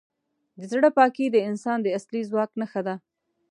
د زړه پاکي د انسان د اصلي ځواک نښه ده.